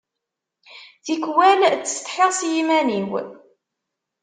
Tikwal ttsetḥiɣ s yiman-iw.